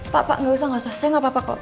pak pak gak usah gak usah saya gak apa apa kok